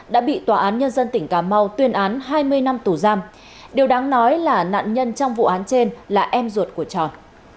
đã bị tòa án nhân dân tỉnh cà mau tuyên án hai mươi năm tù giam điều đáng nói là nạn nhân trong vụ án trên là em ruột của tròn